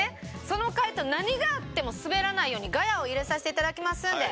その回答何があってもスベらないようにガヤを入れさせていただきますんで。